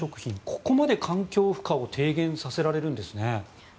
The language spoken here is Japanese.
ここまで環境負荷を低減させられるんですね。